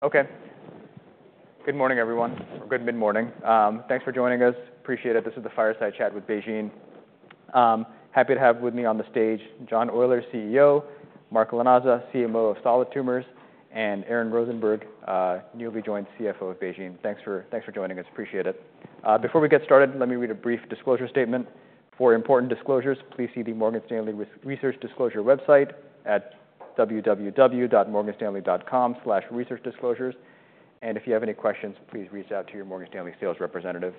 Okay. Good morning, everyone. Good mid-morning. Thanks for joining us. Appreciate it. This is the Fireside Chat with BeiGene. Happy to have with me on the stage, John Oyler, CEO, Mark Lanasa, CMO of Solid Tumors, and Aaron Rosenberg, newly joined CFO of BeiGene. Thanks for joining us. Appreciate it. Before we get started, let me read a brief disclosure statement. "For important disclosures, please see the Morgan Stanley Research Disclosure website at www.morganstanley.com/researchdisclosures. And if you have any questions, please reach out to your Morgan Stanley sales representative."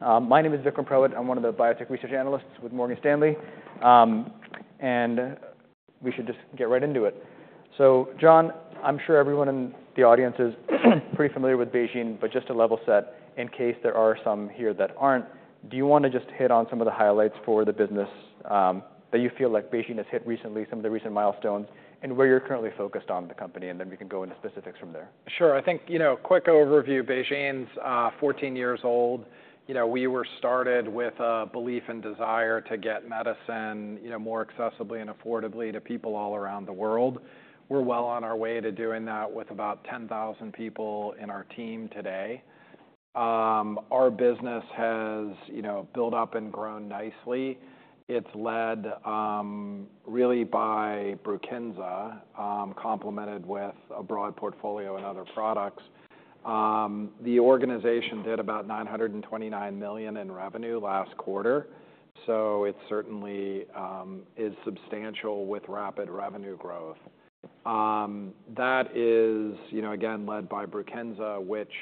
My name is Vikram Purohit. I'm one of the biotech research analysts with Morgan Stanley. And we should just get right into it. So John, I'm sure everyone in the audience is pretty familiar with BeiGene, but just to level set, in case there are some here that aren't, do you want to just hit on some of the highlights for the business, that you feel like BeiGene has hit recently, some of the recent milestones, and where you're currently focused on the company, and then we can go into specifics from there? Sure. I think, you know, quick overview, BeiGene's 14 years old. You know, we were started with a belief and desire to get medicine, you know, more accessibly and affordably to people all around the world. We're well on our way to doing that with about 10,000 people in our team today. Our business has, you know, built up and grown nicely. It's led, really by Brukinsa, complemented with a broad portfolio and other products. The organization did about $929 million in revenue last quarter, so it certainly is substantial with rapid revenue growth. That is, you know, again, led by Brukinsa, which,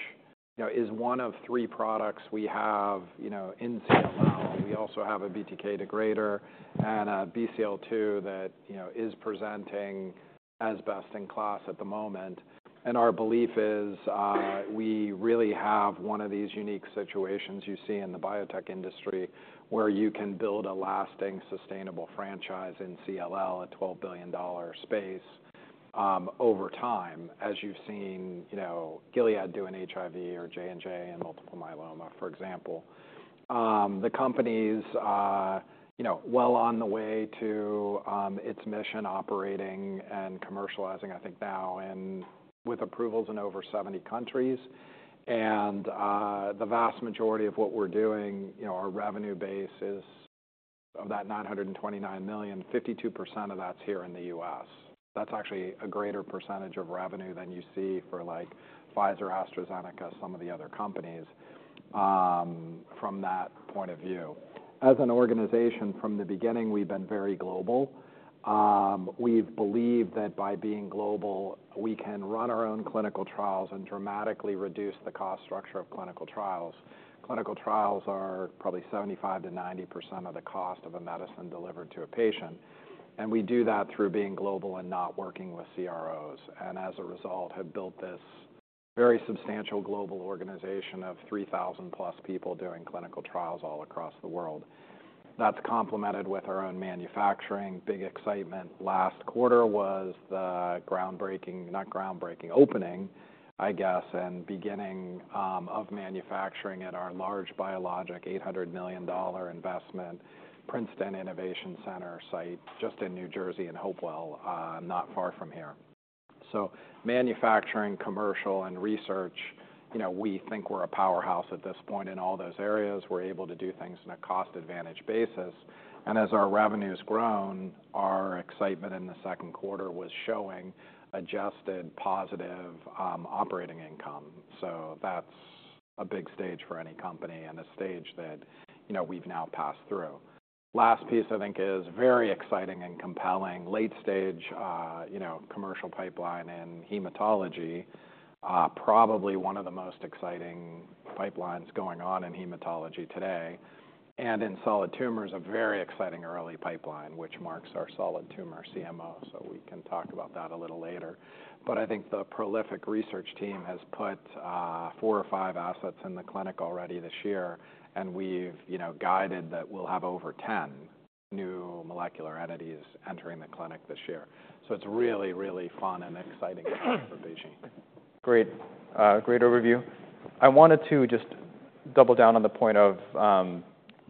you know, is one of three products we have, you know, in CLL. We also have a BTK degrader and a BCL-2 that, you know, is presenting as best in class at the moment. Our belief is, we really have one of these unique situations you see in the biotech industry, where you can build a lasting, sustainable franchise in CLL, a $12 billion space, over time, as you've seen, you know, Gilead do in HIV or J&J in multiple myeloma, for example. The company is, you know, well on the way to, its mission, operating and commercializing, I think now, and with approvals in over 70 countries. The vast majority of what we're doing, you know, our revenue base is of that $929 million, 52% of that's here in the US. That's actually a greater percentage of revenue than you see for, like, Pfizer, AstraZeneca, some of the other companies, from that point of view. As an organization, from the beginning, we've been very global. We've believed that by being global, we can run our own clinical trials and dramatically reduce the cost structure of clinical trials. Clinical trials are probably 75%-90% of the cost of a medicine delivered to a patient, and we do that through being global and not working with CROs. And as a result, have built this very substantial global organization of 3,000+ people doing clinical trials all across the world. That's complemented with our own manufacturing. Big excitement last quarter was the opening, I guess, and beginning of manufacturing at our large biologic, $800 million investment, Princeton Innovation Center site, just in New Jersey, in Hopewell, not far from here. So manufacturing, commercial, and research, you know, we think we're a powerhouse at this point in all those areas. We're able to do things in a cost advantage basis, and as our revenue's grown, our excitement in the second quarter was showing adjusted positive, operating income. So that's a big stage for any company and a stage that, you know, we've now passed through. Last piece, I think, is very exciting and compelling. Late stage, you know, commercial pipeline in hematology, probably one of the most exciting pipelines going on in hematology today, and in solid tumors, a very exciting early pipeline, which marks our solid tumor CMO. So we can talk about that a little later. But I think the prolific research team has put, four or five assets in the clinic already this year, and we've, you know, guided that we'll have over 10 new molecular entities entering the clinic this year. So it's really, really fun and exciting for BeiGene. Great. Great overview. I wanted to just double down on the point of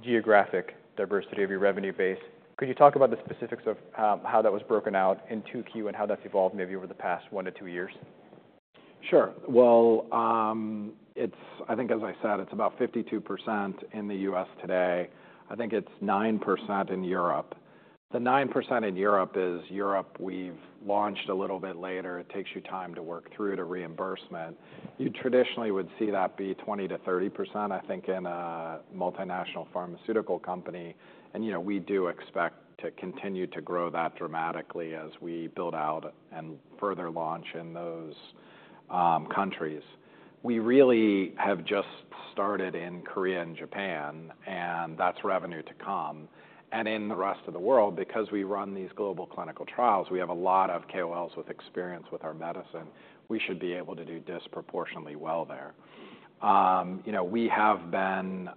geographic diversity of your revenue base. Could you talk about the specifics of how that was broken out in second quarter and how that's evolved maybe over the past 1-2 years? Sure. Well, it's. I think as I said, it's about 52% in the US today. I think it's 9% in Europe. The 9% in Europe is Europe we've launched a little bit later. It takes you time to work through to reimbursement. You traditionally would see that be 20%-30%, I think, in a multinational pharmaceutical company, and, you know, we do expect to continue to grow that dramatically as we build out and further launch in those countries. We really have just started in Korea and Japan, and that's revenue to come, and in the rest of the world, because we run these global clinical trials, we have a lot of KOLs with experience with our medicine. We should be able to do disproportionately well there. You know, we have been,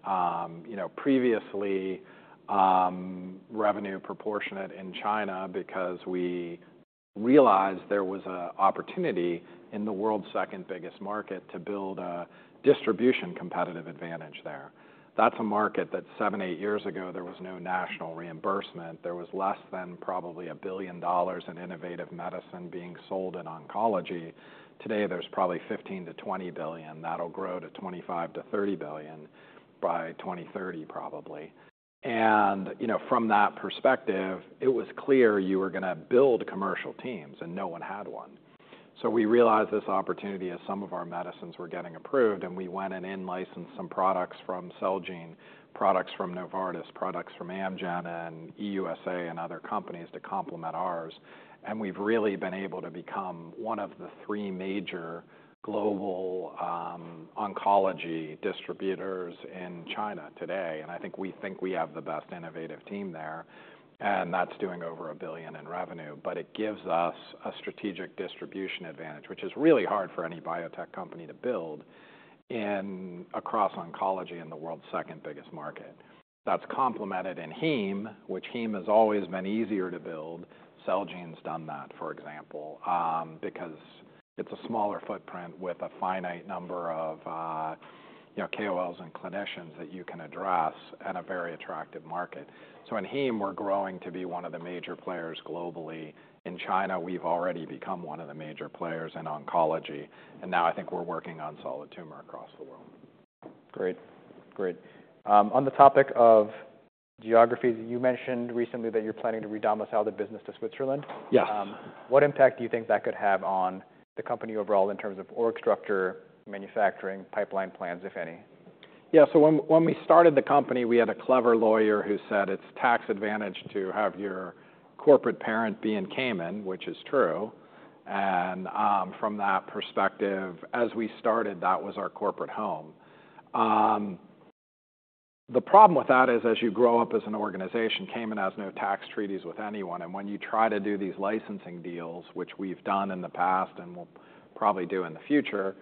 you know, previously, revenue proportionate in China because we realized there was an opportunity in the world's second biggest market to build a distribution competitive advantage there. That's a market that seven, eight years ago, there was no national reimbursement. There was less than probably $1 billion in innovative medicine being sold in oncology. Today, there's probably $15 to 20 billion. That'll grow to $25 to 30 billion by 2030, probably. And, you know, from that perspective, it was clear you were gonna build commercial teams, and no one had one. So we realized this opportunity as some of our medicines were getting approved, and we went and in-licensed some products from Celgene, products from Novartis, products from Amgen and EUSA, and other companies to complement ours. We've really been able to become one of the three major global oncology distributors in China today, and I think we think we have the best innovative team there, and that's doing over $1 billion in revenue. But it gives us a strategic distribution advantage, which is really hard for any biotech company to build in across oncology in the world's second biggest market. That's complemented in heme, which heme has always been easier to build. Celgene's done that, for example, because it's a smaller footprint with a finite number of, you know, KOLs and clinicians that you can address at a very attractive market. So in heme, we're growing to be one of the major players globally. In China, we've already become one of the major players in oncology, and now I think we're working on solid tumor across the world. Great. Great. On the topic of geographies, you mentioned recently that you're planning to re-domicile the business to Switzerland. Yes. What impact do you think that could have on the company overall in terms of organization structure, manufacturing, pipeline plans, if any? Yeah. So when we started the company, we had a clever lawyer who said, "It's tax advantage to have your corporate parent be in Cayman," which is true. And from that perspective, as we started, that was our corporate home. The problem with that is, as you grow up as an organization, Cayman has no tax treaties with anyone, and when you try to do these licensing deals, which we've done in the past and will probably do in the future,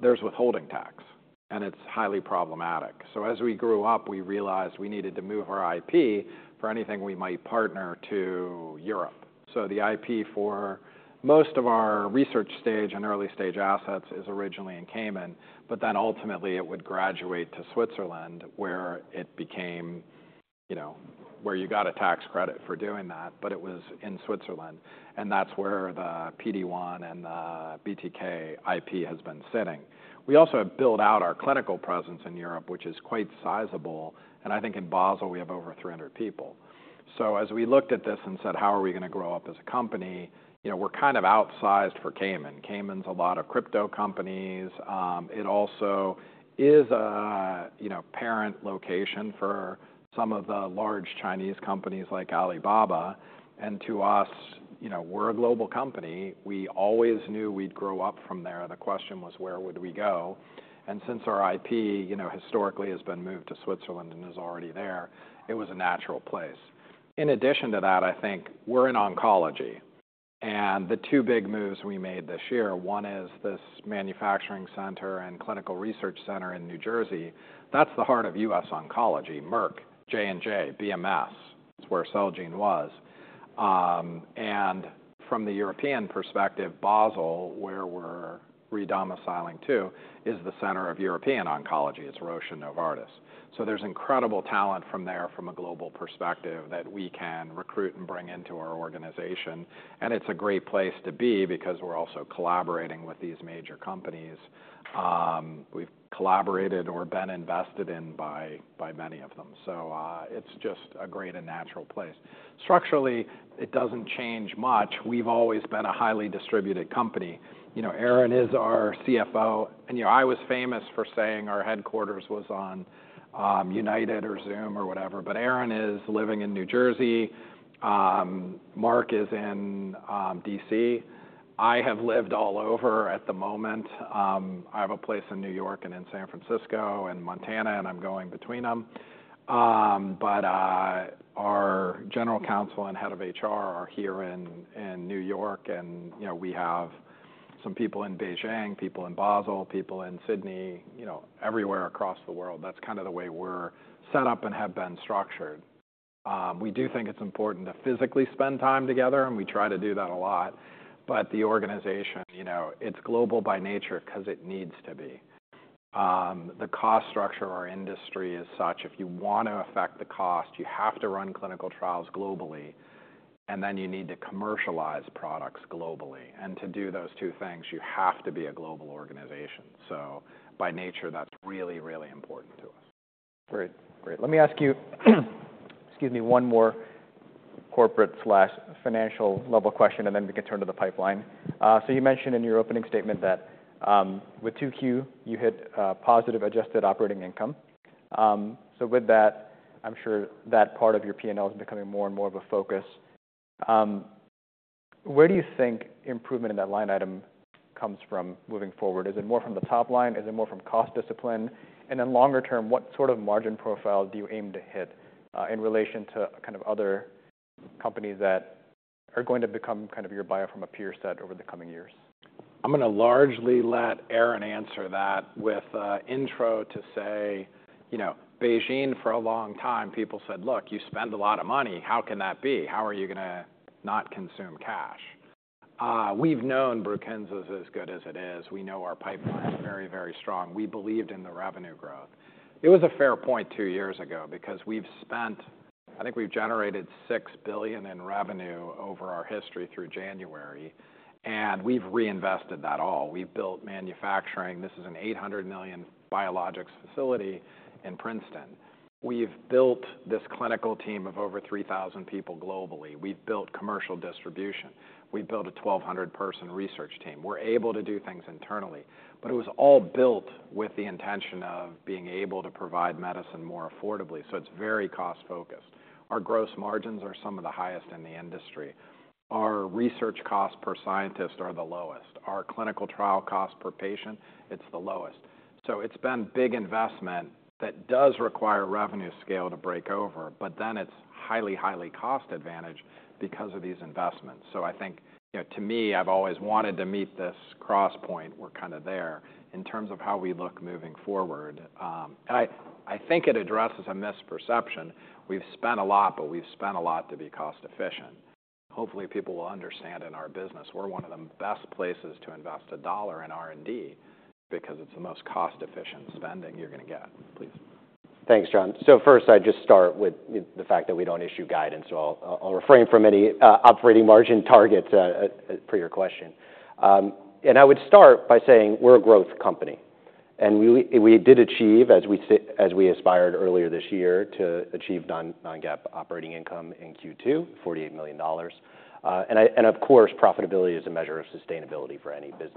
there's withholding tax, and it's highly problematic. So as we grew up, we realized we needed to move our IP for anything we might partner to Europe. So the IP for most of our research stage and early-stage assets is originally in Cayman, but then ultimately it would graduate to Switzerland, where it became, you know, where you got a tax credit for doing that, but it was in Switzerland, and that's where the PD-1 and the BTK IP has been sitting. We also have built out our clinical presence in Europe, which is quite sizable, and I think in Basel we have over 300 people. So as we looked at this and said, "How are we gonna grow up as a company?" You know, we're kind of outsized for Cayman. Cayman's a lot of crypto companies. It also is a, you know, parent location for some of the large Chinese companies like Alibaba, and to us, you know, we're a global company. We always knew we'd grow up from there. The question was, where would we go? And since our IP, you know, historically, has been moved to Switzerland and is already there, it was a natural place. In addition to that, I think we're in oncology, and the two big moves we made this year, one is this manufacturing center and clinical research center in New Jersey. That's the heart of US Oncology, Merck, J&J, BMS. It's where Celgene was, and from the European perspective, Basel, where we're re-domiciling to, is the center of European oncology. It's Roche and Novartis. So there's incredible talent from there from a global perspective that we can recruit and bring into our organization, and it's a great place to be because we're also collaborating with these major companies. We've collaborated or been invested in by, by many of them. So, it's just a great and natural place. Structurally, it doesn't change much. We've always been a highly distributed company. You know, Aaron is our CFO, and, you know, I was famous for saying our headquarters was on United or Zoom or whatever, but Aaron is living in New Jersey. Mark is in DC I have lived all over. At the moment, I have a place in New York and in San Francisco and Montana, and I'm going between them. But our general counsel and head of HR are here in New York, and, you know, we have some people in Beijing, people in Basel, people in Sydney, you know, everywhere across the world. That's kind of the way we're set up and have been structured. We do think it's important to physically spend time together, and we try to do that a lot. But the organization, you know, it's global by nature 'cause it needs to be. The cost structure of our industry is such, if you want to affect the cost, you have to run clinical trials globally, and then you need to commercialize products globally. And to do those two things, you have to be a global organization. So by nature, that's really, really important to us. Great. Great. Let me ask you, excuse me, one more corporate/financial level question, and then we can turn to the pipeline. You mentioned in your opening statement that, with second quarter, you hit positive adjusted operating income. With that, I'm sure that part of your P&L is becoming more and more of a focus. Where do you think improvement in that line item comes from moving forward? Is it more from the top line? Is it more from cost discipline? And then longer term, what sort of margin profile do you aim to hit, in relation to kind of other companies that are going to become kind of your buyer from a peer set over the coming years?... I'm gonna largely let Aaron answer that with intro to say, you know, Beijing for a long time, people said: "Look, you spend a lot of money. How can that be? How are you gonna not consume cash?" We've known Brukinsa is as good as it is. We know our pipeline is very, very strong. We believed in the revenue growth. It was a fair point two years ago, because we've spent. I think we've generated $6 billion in revenue over our history through January, and we've reinvested that all. We've built manufacturing. This is an $800 million biologics facility in Princeton. We've built this clinical team of over 3,000 people globally. We've built commercial distribution. We've built a 1,200-person research team. We're able to do things internally, but it was all built with the intention of being able to provide medicine more affordably, so it's very cost-focused. Our gross margins are some of the highest in the industry. Our research costs per scientist are the lowest. Our clinical trial cost per patient, it's the lowest. So it's been big investment that does require revenue scale to break over, but then it's highly, highly cost advantage because of these investments. So I think, you know, to me, I've always wanted to meet this cross point. We're kind of there in terms of how we look moving forward. And I think it addresses a misperception. We've spent a lot, but we've spent a lot to be cost-efficient. Hopefully, people will understand in our business, we're one of the best places to invest a dollar in R&D because it's the most cost-efficient spending you're gonna get. Please. Thanks, John. So first, I'd just start with the fact that we don't issue guidance, so I'll refrain from any operating margin targets for your question. And I would start by saying we're a growth company, and we did achieve, as we aspired earlier this year to achieve non-GAAP operating income in Q2, $48 million. And of course, profitability is a measure of sustainability for any business.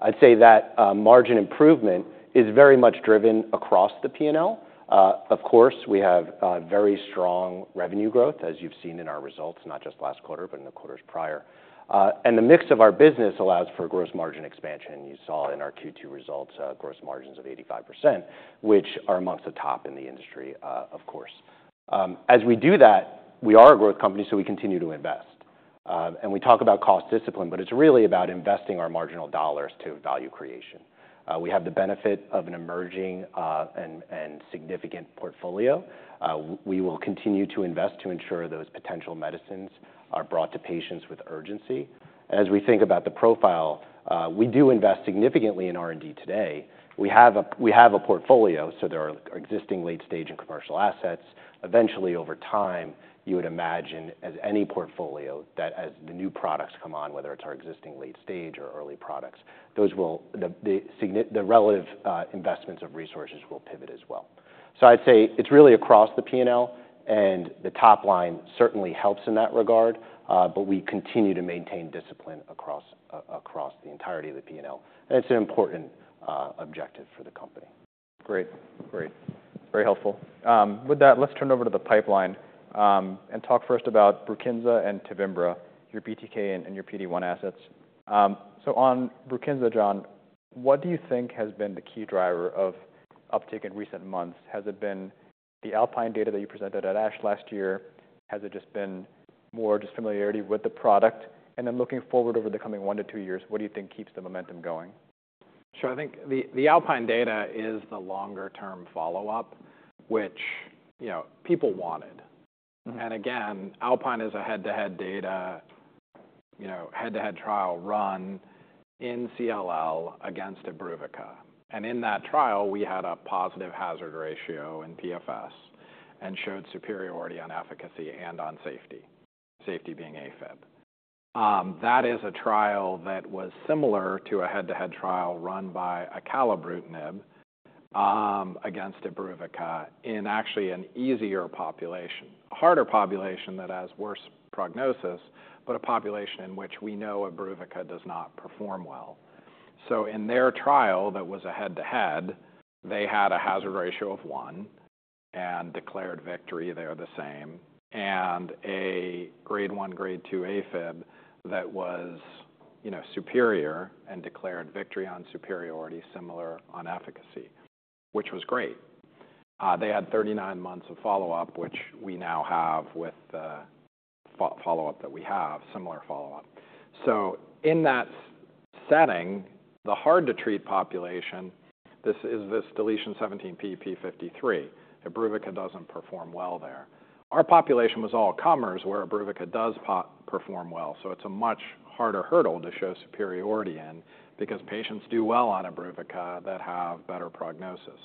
I'd say that margin improvement is very much driven across the P&L. Of course, we have very strong revenue growth, as you've seen in our results, not just last quarter, but in the quarters prior. And the mix of our business allows for gross margin expansion. You saw in our Q2 results, gross margins of 85%, which are among the top in the industry, of course. As we do that, we are a growth company, so we continue to invest. And we talk about cost discipline, but it's really about investing our marginal dollars to value creation. We have the benefit of an emerging and significant portfolio. We will continue to invest to ensure those potential medicines are brought to patients with urgency. As we think about the profile, we do invest significantly in R&D today. We have a portfolio, so there are existing late stage and commercial assets. Eventually, over time, you would imagine, as any portfolio, that as the new products come on, whether it's our existing late stage or early products, those will... The relative investments of resources will pivot as well. So I'd say it's really across the P&L, and the top line certainly helps in that regard, but we continue to maintain discipline across the entirety of the P&L. It's an important objective for the company. Great. Great. Very helpful. With that, let's turn over to the pipeline, and talk first about Brukinsa and Tevimbra, your BTK and your PD-1 assets. So on Brukinsa, John, what do you think has been the key driver of uptake in recent months? Has it been the Alpine data that you presented at ASH last year? Has it just been more just familiarity with the product? And then looking forward over the coming one to two years, what do you think keeps the momentum going? Sure. I think the Alpine data is the longer-term follow-up, which, you know, people wanted. Mm-hmm. And again, Alpine is a head-to-head data, you know, head-to-head trial run in CLL against imbruvicaib. And in that trial, we had a positive hazard ratio in PFS and showed superiority on efficacy and on safety, safety being AFib. That is a trial that was similar to a head-to-head trial run by acalabrutinib against imbruvicaib in actually an easier population. A harder population that has worse prognosis, but a population in which we know imbruvicaib does not perform well. So in their trial, that was a head-to-head, they had a hazard ratio of one and declared victory, they're the same, and a grade one, grade two AFib that was, you know, superior and declared victory on superiority, similar on efficacy, which was great. They had 39 months of follow-up, which we now have with the follow-up that we have, similar follow-up. In that setting, the hard-to-treat population, this is this deletion 17p TP53. imbruvica doesn't perform well there. Our population was all comers, where imbruvicaib does perform well, so it's a much harder hurdle to show superiority in, because patients do well on imbruvicaib that have better prognosis.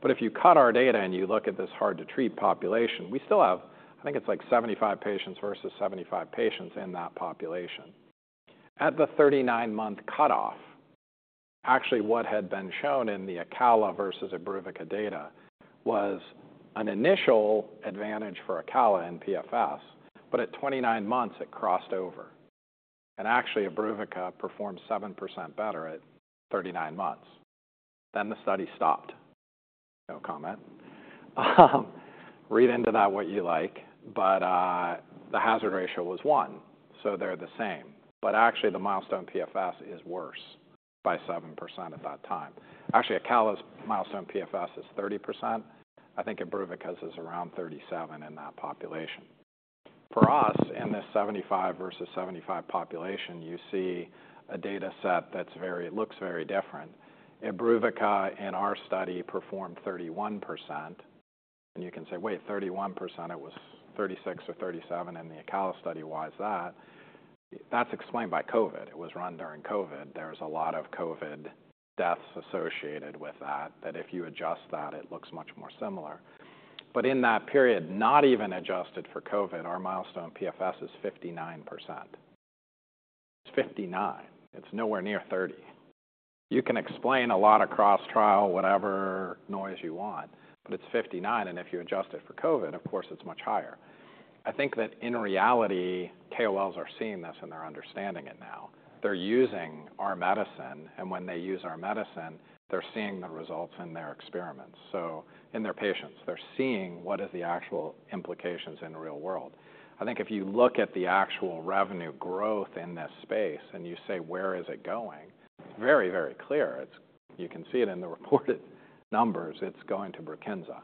But if you cut our data and you look at this hard-to-treat population, we still have, I think it's like 75 patients versus 75 patients in that population. At the 39-month cutoff, actually, what had been shown in the Acala versus imbruvicaib data was an initial advantage for Acala and PFS, but at 29 months, it crossed over. And actually, imbruvicaib performed 7% better at 39 months. Then the study stopped. No comment. Read into that what you like, but the hazard ratio was 1, so they're the same. But actually, the milestone PFS is worse by 7% at that time. Actually, Acala's milestone PFS is 30%. I think imbruvicaib's is around 37 in that population.... For us, in this 75 versus 75 population, you see a data set that's very, looks very different. imbruvica, in our study, performed 31%, and you can say, "Wait, 31%? It was 36% or 37% in the Acala study. Why is that?" That's explained by COVID. It was run during COVID. There's a lot of COVID deaths associated with that, that if you adjust that, it looks much more similar. But in that period, not even adjusted for COVID, our milestone PFS is 59%. It's 59%. It's nowhere near 30%. You can explain a lot of cross-trial, whatever noise you want, but it's 59%, and if you adjust it for COVID, of course, it's much higher. I think that in reality, KOLs are seeing this, and they're understanding it now. They're using our medicine, and when they use our medicine, they're seeing the results in their experiments. So in their patients, they're seeing what is the actual implications in the real world. I think if you look at the actual revenue growth in this space, and you say, "Where is it going?" Very, very clear. It's. You can see it in the reported numbers. It's going to Brukinsa.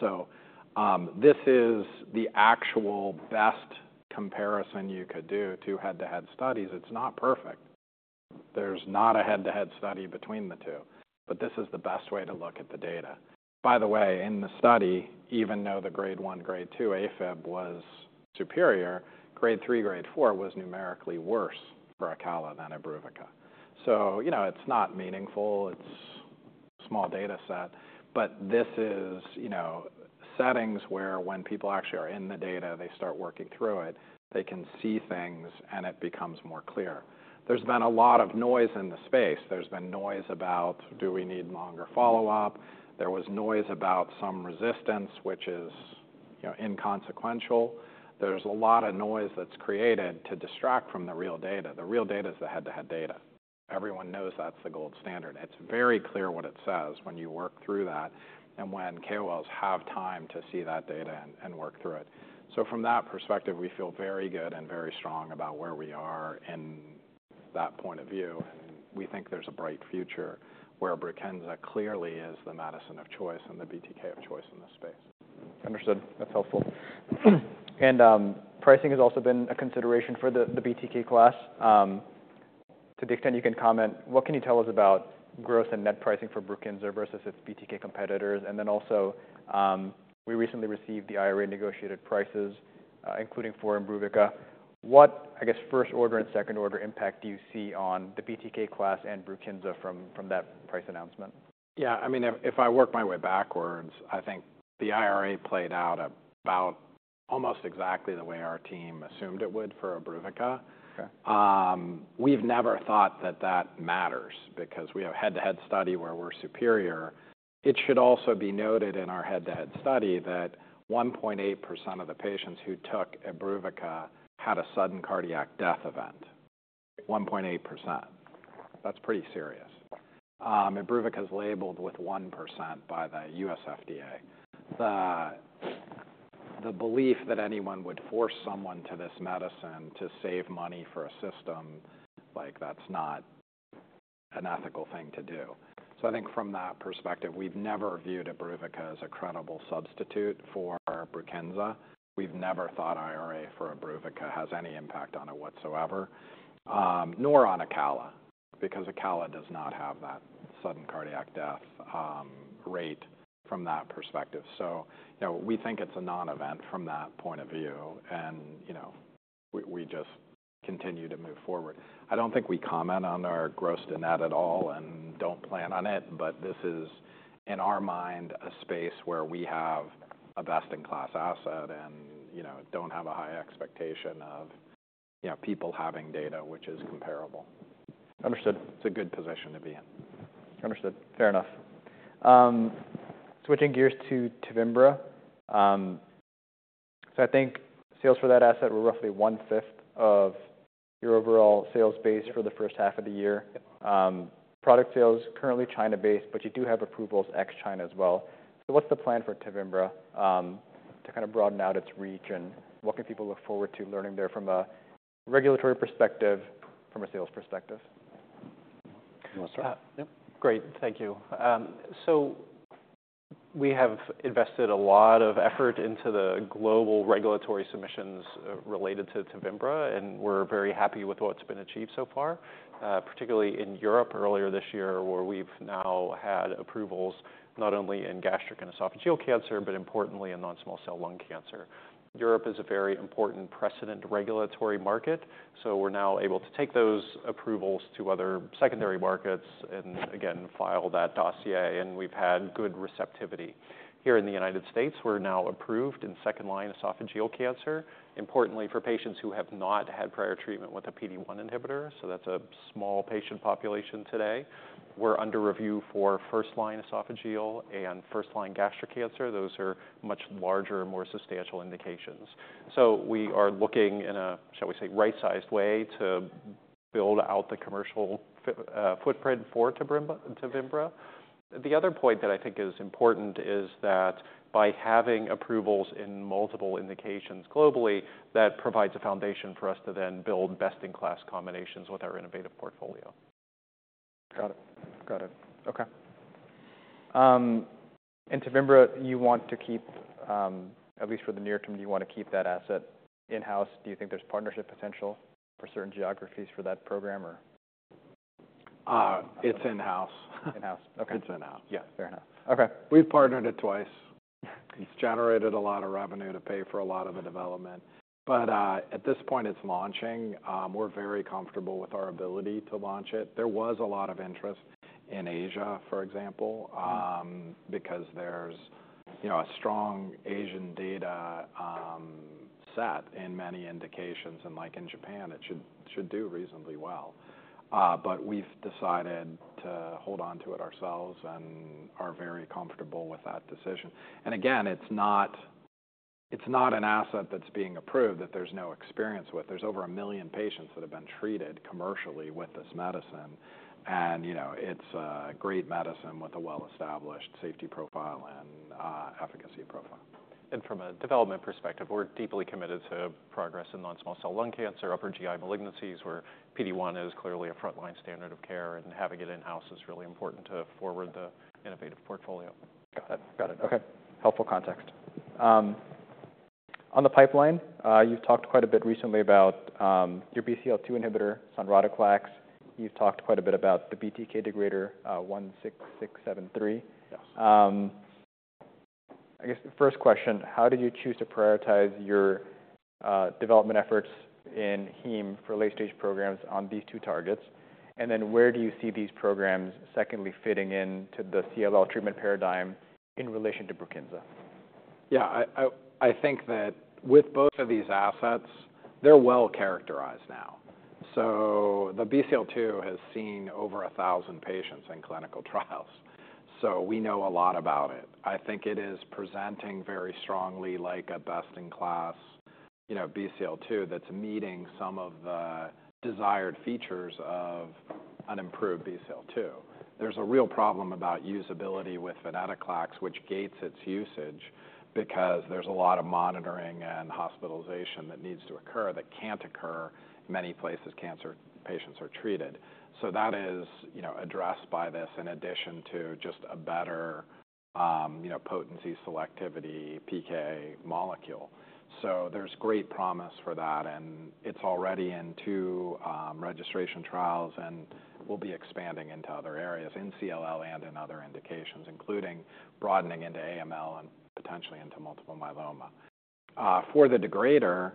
So, this is the actual best comparison you could do, two head-to-head studies. It's not perfect. There's not a head-to-head study between the two, but this is the best way to look at the data. By the way, in the study, even though the Grade one, Grade two AFib was superior, Grade three, Grade four was numerically worse for Acala than imbruvica. So, you know, it's not meaningful, it's a small data set, but this is, you know, settings where when people actually are in the data, they start working through it, they can see things, and it becomes more clear. There's been a lot of noise in the space. There's been noise about, do we need longer follow-up? There was noise about some resistance, which is, you know, inconsequential. There's a lot of noise that's created to distract from the real data. The real data is the head-to-head data. Everyone knows that's the gold standard. It's very clear what it says when you work through that and when KOLs have time to see that data and work through it. So from that perspective, we feel very good and very strong about where we are in that point of view, and we think there's a bright future where Brukinsa clearly is the medicine of choice and the BTK of choice in this space. Understood. That's helpful, and pricing has also been a consideration for the BTK class. To the extent you can comment, what can you tell us about growth and net pricing for Brukinsa versus its BTK competitors? And then also, we recently received the IRA negotiated prices, including for imbruvica. What, I guess, first-order and second-order impact do you see on the BTK class and Brukinsa from that price announcement? Yeah, I mean, if I work my way backwards, I think the IRA played out about almost exactly the way our team assumed it would for imbruvica. Okay. We've never thought that that matters because we have head-to-head study where we're superior. It should also be noted in our head-to-head study that 1.8% of the patients who took imbruvica had a sudden cardiac death event, 1.8%. That's pretty serious. imbruvica is labeled with 1% by the U.S. FDA. The belief that anyone would force someone to this medicine to save money for a system, like, that's not an ethical thing to do. I think from that perspective, we've never viewed imbruvica as a credible substitute for Brukinsa. We've never thought IRA for imbruvica has any impact on it whatsoever, nor on Acala, because Acala does not have that sudden cardiac death rate from that perspective. So, you know, we think it's a non-event from that point of view, and, you know, we just continue to move forward. I don't think we comment on our gross to net at all and don't plan on it, but this is, in our mind, a space where we have a best-in-class asset and, you know, don't have a high expectation of, you know, people having data which is comparable. Understood. It's a good position to be in. Understood. Fair enough. Switching gears to Tevimbra. So I think sales for that asset were roughly one-fifth of your overall sales base for the H1 of the year. Product sales, currently China-based, but you do have approvals ex-China as well. So what's the plan for Tevimbra, to kind of broaden out its reach, and what can people look forward to learning there from a regulatory perspective, from a sales perspective? You want to start? Yeah. Great. Thank you. So we have invested a lot of effort into the global regulatory submissions related to Tevimbra, and we're very happy with what's been achieved so far, particularly in Europe earlier this year, where we've now had approvals not only in gastric and esophageal cancer, but importantly, in non-small cell lung cancer. Europe is a very important precedent regulatory market, so we're now able to take those approvals to other secondary markets and, again, file that dossier, and we've had good receptivity. Here in the United States, we're now approved in second-line esophageal cancer, importantly, for patients who have not had prior treatment with a PD-1 inhibitor, so that's a small patient population today. We're under review for first-line esophageal and first-line gastric cancer. Those are much larger and more substantial indications. We are looking in a, shall we say, right-sized way to build out the commercial footprint for Tevimbra. The other point that I think is important is that by having approvals in multiple indications globally, that provides a foundation for us to then build best-in-class combinations with our innovative portfolio. Got it. Got it. Okay. And Tevimbra, you want to keep, at least for the near term, do you want to keep that asset in-house? Do you think there's partnership potential for certain geographies for that program or? It's in-house. In-house. Okay. It's in-house. Yeah, fair enough. Okay. We've partnered it twice. It's generated a lot of revenue to pay for a lot of the development, but at this point, it's launching. We're very comfortable with our ability to launch it. There was a lot of interest in Asia, for example. Mm-hmm. Because there's, you know, a strong Asian data set in many indications, and like in Japan, it should do reasonably well. But we've decided to hold on to it ourselves and are very comfortable with that decision. And again, it's not, it's not an asset that's being approved that there's no experience with. There's over a million patients that have been treated commercially with this medicine and, you know, it's a great medicine with a well-established safety profile and efficacy profile. And from a development perspective, we're deeply committed to progress in non-small cell lung cancer, upper GI malignancies, where PD-1 is clearly a frontline standard of care, and having it in-house is really important to forward the innovative portfolio. Got it. Got it, okay. Helpful context. On the pipeline, you've talked quite a bit recently about your BCL-2 inhibitor, sonrotoclax. You've talked quite a bit about the BTK degrader, 16673. Yes. I guess the first question, how did you choose to prioritize your development efforts in heme for late-stage programs on these two targets? And then where do you see these programs, secondly, fitting in to the CLL treatment paradigm in relation to Brukinsa? Yeah, I think that with both of these assets, they're well-characterized now. So the BCL-2 has seen over a thousand patients in clinical trials, so we know a lot about it. I think it is presenting very strongly like a best-in-class, you know, BCL-2 that's meeting some of the desired features of an improved BCL-2. There's a real problem about usability with venetoclax, which gates its usage, because there's a lot of monitoring and hospitalization that needs to occur that can't occur in many places cancer patients are treated. So that is, you know, addressed by this, in addition to just a better, you know, potency, selectivity, PK molecule. So there's great promise for that, and it's already in two registration trials, and we'll be expanding into other areas in CLL and in other indications, including broadening into AML and potentially into multiple myeloma. For the degrader,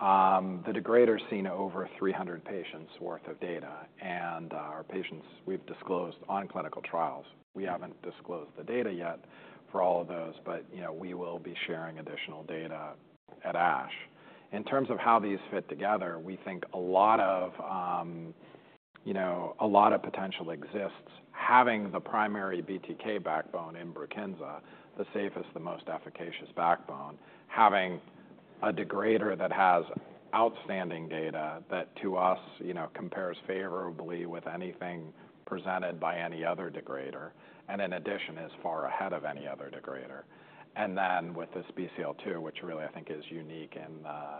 the degrader's seen over 300 patients worth of data, and our patients we've disclosed on clinical trials. We haven't disclosed the data yet for all of those, but you know, we will be sharing additional data at ASH. In terms of how these fit together, we think a lot of you know, a lot of potential exists, having the primary BTK backbone in Brukinsa, the safest, the most efficacious backbone. Having a degrader that has outstanding data that, to us, you know, compares favorably with anything presented by any other degrader, and in addition, is far ahead of any other degrader and then with this BCL-2, which really I think is unique in the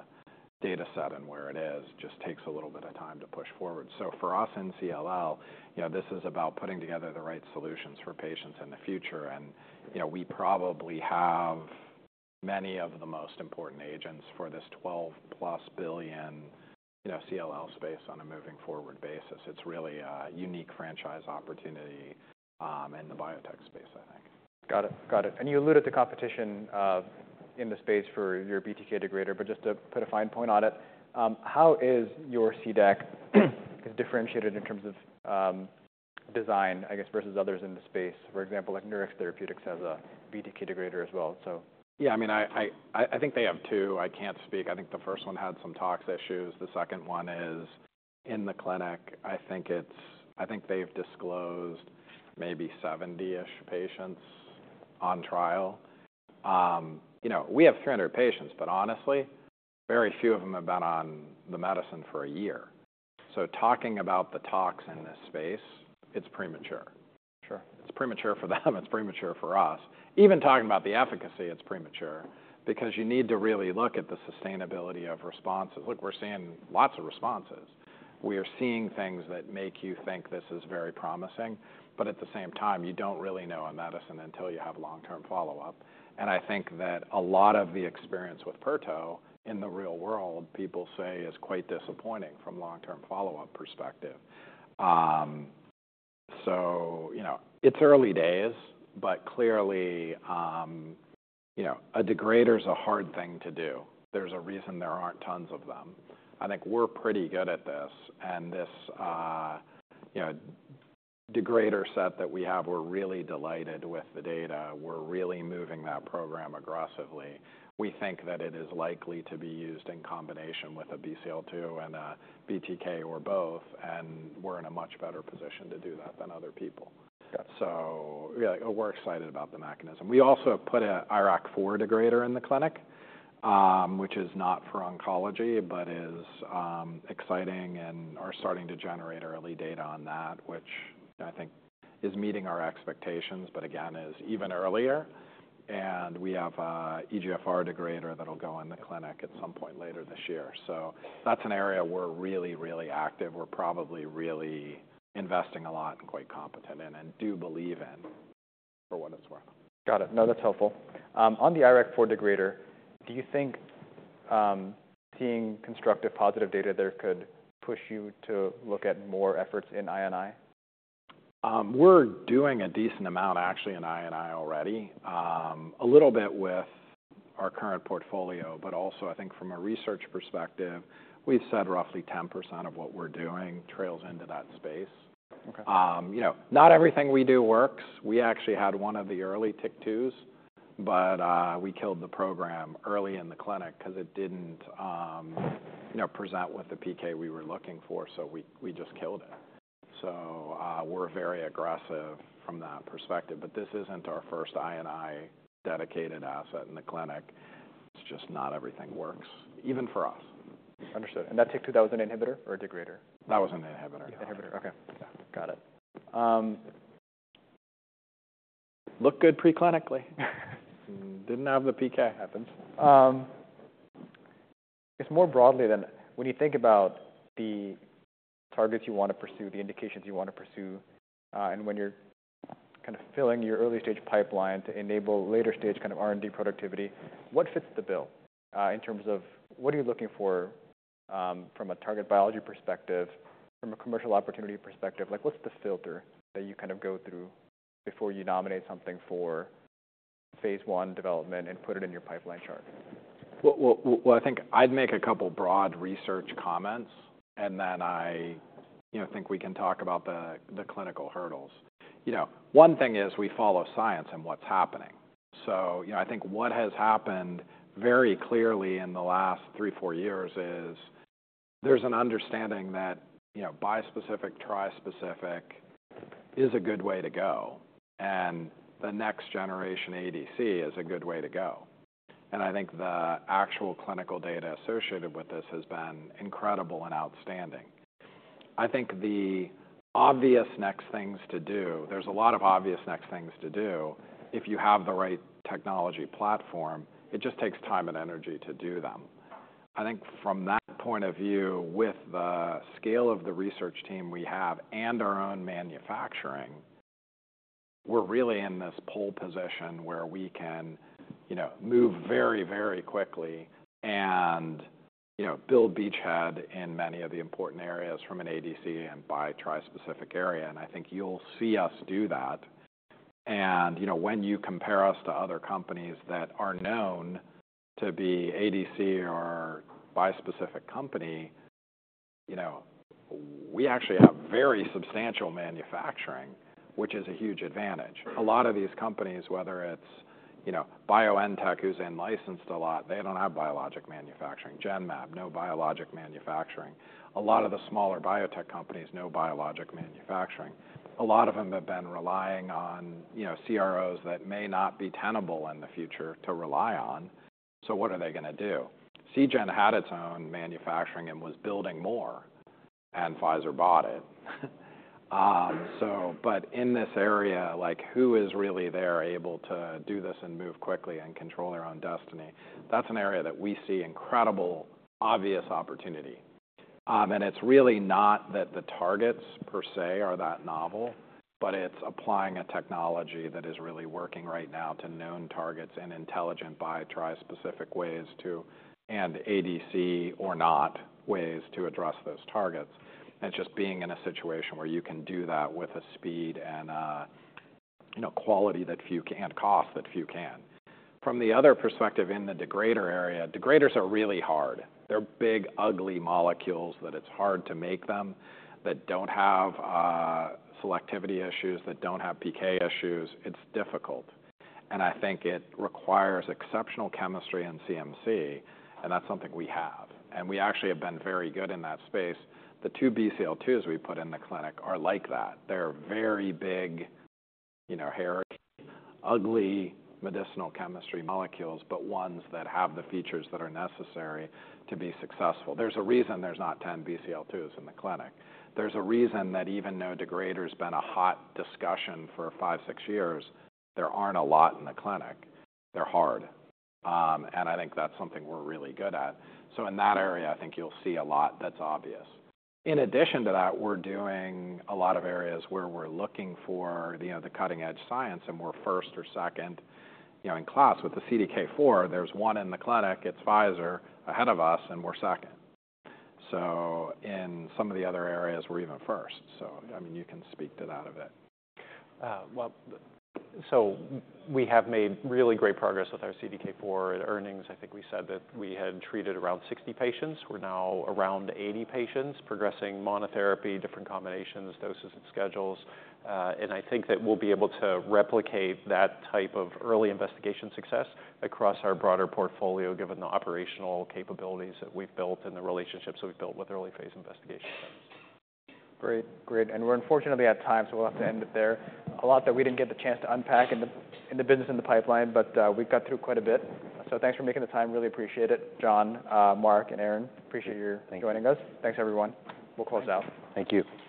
data set and where it is, just takes a little bit of time to push forward. For us, in CLL, you know, this is about putting together the right solutions for patients in the future, and, you know, we probably have many of the most important agents for this $12+ billion, you know, CLL space on a moving forward basis. It's really a unique franchise opportunity in the biotech space, I think. Got it. Got it. And you alluded to competition in the space for your BTK degrader, but just to put a fine point on it, how is your CDAC differentiated in terms of design, I guess, versus others in the space? For example, like Nurix Therapeutics has a BTK degrader as well, so. Yeah, I mean, I think they have two. I can't speak. I think the first one had some tox issues. The second one is in the clinic. I think they've disclosed maybe 70-ish patients on trial. You know, we have 300 patients, but honestly, very few of them have been on the medicine for a year. So talking about the tox in this space, it's premature. Sure. It's premature for them, it's premature for us. Even talking about the efficacy, it's premature because you need to really look at the sustainability of responses. Look, we're seeing lots of responses. We are seeing things that make you think this is very promising, but at the same time, you don't really know a medicine until you have long-term follow-up. And I think that a lot of the experience with Pirto in the real world, people say, is quite disappointing from long-term follow-up perspective. So you know, it's early days, but clearly, you know, a degrader is a hard thing to do. There's a reason there aren't tons of them. I think we're pretty good at this, and this, you know, degrader set that we have, we're really delighted with the data. We're really moving that program aggressively. We think that it is likely to be used in combination with a BCL-2 and a BTK or both, and we're in a much better position to do that than other people. Got it. So yeah, we're excited about the mechanism. We also put an IRAK4 degrader in the clinic, which is not for oncology, but is exciting and are starting to generate early data on that, which I think is meeting our expectations, but again, is even earlier and we have EGFR degrader that'll go in the clinic at some point later this year. So that's an area we're really, really active. We're probably really investing a lot and quite competent in, and do believe in, for what it's worth. Got it. No, that's helpful. On the IRAK4 degrader, do you think seeing constructive positive data there could push you to look at more efforts in I&I? We're doing a decent amount actually in I&I already. A little bit with our current portfolio, but also I think from a research perspective, we've said roughly 10% of what we're doing trails into that space. Okay. You know, not everything we do works. We actually had one of the early TYK2s, but we killed the program early in the clinic 'cause it didn't, you know, present what the PK we were looking for, so we just killed it. So, we're very aggressive from that perspective, but this isn't our first I&I dedicated asset in the clinic. It's just not everything works, even for us. Understood. And that TYK2, that was an inhibitor or a degrader? That was an inhibitor. Inhibitor. Okay. Got it. Look good pre-clinically. Didn't have the PK happens. I guess more broadly then, when you think about the targets you want to pursue, the indications you want to pursue, and when you're kind of filling your early stage pipeline to enable later stage kind of R&D productivity, what fits the bill, in terms of what are you looking for, from a target biology perspective, from a commercial opportunity perspective? Like, what's the filter that you kind of go through before you nominate something for phase one development and put it in your pipeline chart? I think I'd make a couple broad research comments, and then I, you know, think we can talk about the clinical hurdles. You know, one thing is we follow science and what's happening. You know, I think what has happened very clearly in the last three, four years is there's an understanding that, you know, bispecific, trispecific is a good way to go, and the next generation ADC is a good way to go. And I think the actual clinical data associated with this has been incredible and outstanding. I think the obvious next things to do, there's a lot of obvious next things to do if you have the right technology platform, it just takes time and energy to do them. I think from that point of view, with the scale of the research team we have and our own manufacturing, we're really in this pole position where we can, you know, move very, very quickly and, you know, build beachhead in many of the important areas from an ADC and bispecific and trispecific area. And I think you'll see us do that. And, you know, when you compare us to other companies that are known to be ADC or bispecific company, you know, we actually have very substantial manufacturing, which is a huge advantage. A lot of these companies, whether it's, you know, BioNTech, who's in-licensed a lot, they don't have biologic manufacturing. Genmab, no biologic manufacturing. A lot of the smaller biotech companies, no biologic manufacturing. A lot of them have been relying on, you know, CROs that may not be tenable in the future to rely on. So what are they gonna do? Seagen had its own manufacturing and was building more, and Pfizer bought it. So but in this area, like, who is really there able to do this and move quickly and control their own destiny? That's an area that we see incredible, obvious opportunity. And it's really not that the targets per se are that novel, but it's applying a technology that is really working right now to known targets and intelligent bi-trispecific ways to... and ADC or not, ways to address those targets. And just being in a situation where you can do that with a speed and, you know, quality that few can't cost, that few can. From the other perspective, in the degrader area, degraders are really hard. They're big, ugly molecules that it's hard to make them, that don't have selectivity issues, that don't have PK issues. It's difficult, and I think it requires exceptional chemistry and CMC, and that's something we have. And we actually have been very good in that space. The two BCL-2s we put in the clinic are like that. They're very big, you know, hairy, ugly medicinal chemistry molecules, but ones that have the features that are necessary to be successful. There's a reason there's not 10 BCL-2s in the clinic. There's a reason that even though degrader's been a hot discussion for five, six years, there aren't a lot in the clinic. They're hard. And I think that's something we're really good at. So in that area, I think you'll see a lot that's obvious. In addition to that, we're doing a lot of areas where we're looking for, you know, the cutting-edge science, and we're first or second, you know, in class. With the CDK4, there's one in the clinic, it's Pfizer ahead of us, and we're second. So in some of the other areas, we're even first. So I mean, you can speak to that of it. Well, so we have made really great progress with our CDK4 at earnings. I think we said that we had treated around 60 patients. We're now around 80 patients, progressing monotherapy, different combinations, doses, and schedules. And I think that we'll be able to replicate that type of early investigation success across our broader portfolio, given the operational capabilities that we've built and the relationships that we've built with early phase investigation partners. Great. Great. And we're unfortunately out of time, so we'll have to end it there. A lot that we didn't get the chance to unpack in the business, in the pipeline, but we've got through quite a bit. So thanks for making the time. Really appreciate it, John, Mark, and Aaron. Appreciate you joining us. Thank you. Thanks, everyone. We'll close out. Thank you.